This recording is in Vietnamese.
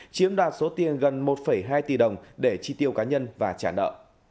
chiếm đoạt số tiền gần một hai tỷ đồng để chi tiêu cá nhân và trả nợ